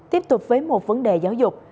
tiếp tục với một vấn đề giáo dục